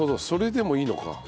それでもいいのか。